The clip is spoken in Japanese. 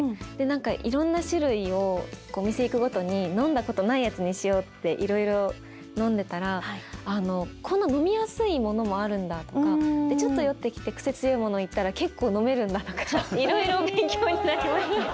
で何かいろんな種類をお店行くごとに飲んだことないやつにしようっていろいろ飲んでたらこんな飲みやすいものもあるんだとかちょっと酔ってきて癖強いものいったら結構飲めるんだとかいろいろ勉強になりました。